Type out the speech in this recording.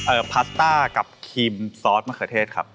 พาสต้ากับครีมซอสมะเขือเทศครับ